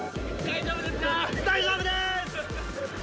大丈夫です！